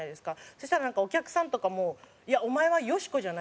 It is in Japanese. そしたらなんかお客さんとかも「いやお前はよしこじゃない」って。